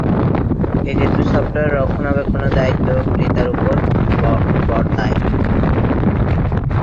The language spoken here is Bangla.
এক্ষেত্রে সফটওয়্যার রক্ষণাবেক্ষণের দায়িত্ব ক্রেতার উপর বর্তায়।